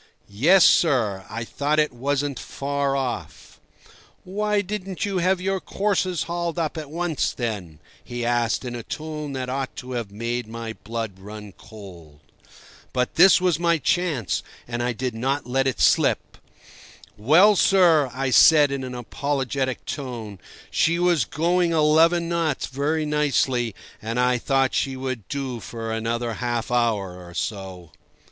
"Yes, sir, I thought it wasn't very far off." "Why didn't you have your courses hauled up at once, then?" he asked in a tone that ought to have made my blood run cold. But this was my chance, and I did not let it slip. "Well, sir," I said in an apologetic tone, "she was going eleven knots very nicely, and I thought she would do for another half hour or so."